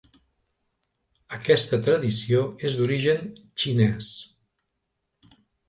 Aquesta tradició és d'origen xinès.